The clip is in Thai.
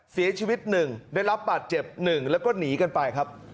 เสียชีวิต๑ได้รับบาดเจ็บ๑แล้วก็หนีกันไปครับ